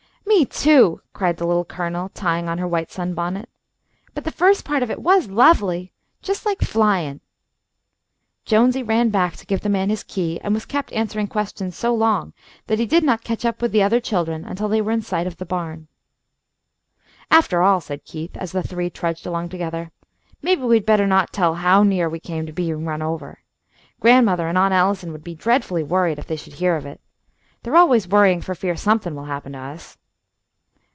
"Me too!" cried the Little Colonel, tying on her white sunbonnet. "But the first part of it was lovely, just like flyin'." Jonesy ran back to give the man his key, and was kept answering questions so long that he did not catch up with the other children until they were in sight of the barn. "After all," said Keith, as the three trudged along together, "maybe we'd better not tell how near we came to being run over. Grandmother and Aunt Allison would be dreadfully worried if they should hear of it. They are always worrying for fear something will happen to us."